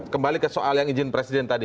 kembali ke soal yang izin presiden tadi